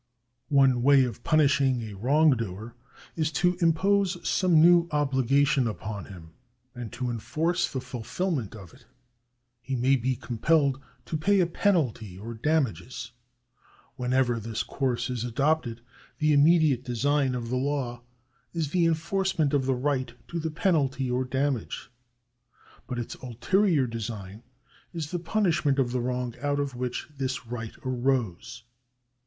One way of punishing a wrongdoer is to impose some new obligation upon him, and to enforce the fulfilment of it. He may be compelled to pay a penalty or damages. Whenever this com se is adopted, the immediate design of the law is the enforcement of the right to the penalty or damages, but its ulterior design is the punishment of the wrong out of which this right arose.